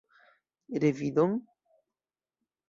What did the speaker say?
Revidon?